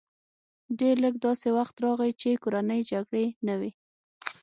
ډېر لږ داسې وخت راغی چې کورنۍ جګړې نه وې